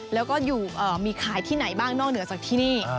แล้วก็มีขายที่ไหนบ้างนอกเหนือจากที่นี่